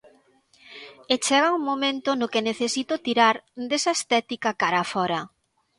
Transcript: E chega un momento no que necesito tirar desa estética cara a fóra.